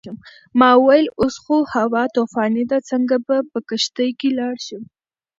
ما وویل اوس خو هوا طوفاني ده څنګه به په کښتۍ کې لاړ شم.